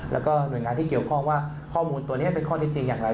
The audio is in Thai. แล้วก็หน่วยงานที่เกี่ยวข้องว่าข้อมูลตัวนี้เป็นข้อที่จริงอย่างไร